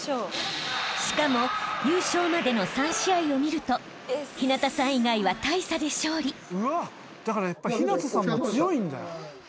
［しかも優勝までの３試合を見ると陽向さん以外は大差で勝利］